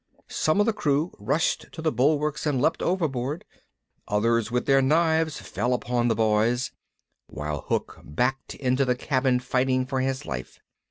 Some of the crew rushed to the bulwarks and leapt overboard; others with their knives fell upon the Boys, while Hook backed into the cabin fighting for his life.